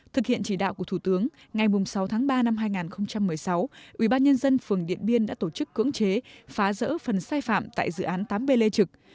thực hiện chỉ đạo của thủ tướng ngày sáu tháng ba năm hai nghìn một mươi sáu ubnd phường điện biên đã tổ chức cưỡng chế phá rỡ phần sai phạm tại dự án tám b lê trực